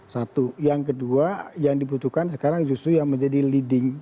satu yang kedua yang dibutuhkan sekarang justru yang menjadi leading